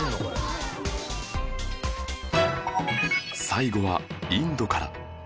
最後はインドから